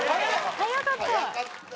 早かった！